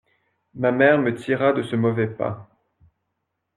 Ma mère me tira de ce mauvais pas.